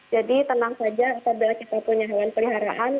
jadi tenang saja apabila kita punya hewan peliharaan